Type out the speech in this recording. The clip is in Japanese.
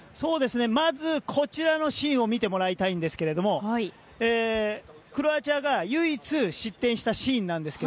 まず、こちらのシーンを見ていただきたいんですがクロアチアが唯一失点したシーンです。